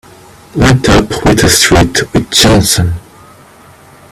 Light up with the street with Johnson!